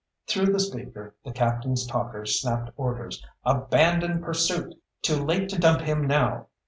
Through the speaker, the captain's talker snapped orders: "_Abandon pursuit! Too late to dump him now.